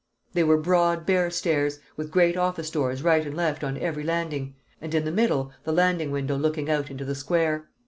They were broad bare stairs, with great office doors right and left on every landing, and in the middle the landing window looking out into the square.